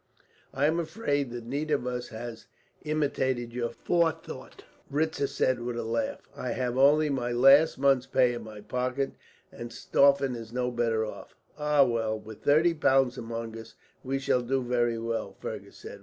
"I am afraid that neither of us has imitated your forethought," Ritzer said with a laugh. "I have only my last month's pay in my pocket, and Stauffen is no better off." "Ah, well! With thirty pounds among us, we shall do very well," Fergus said.